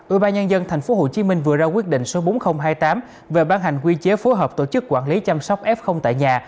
ủy ban nhân dân tp hcm vừa ra quyết định số bốn nghìn hai mươi tám về ban hành quy chế phối hợp tổ chức quản lý chăm sóc f tại nhà